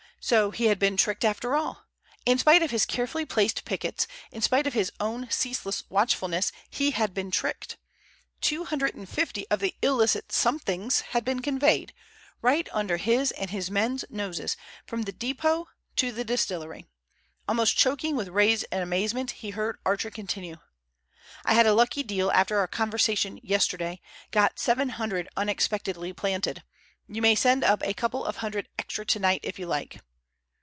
So he had been tricked after all! In spite of his carefully placed pickets, in spite of his own ceaseless watchfulness, he had been tricked. Two hundred and fifty of the illicit somethings had been conveyed, right under his and his men's noses, from the depot to the distillery. Almost choking with rage and amazement he heard Archer continue: "I had a lucky deal after our conversation yesterday, got seven hundred unexpectedly planted. You may send up a couple of hundred extra tonight if you like."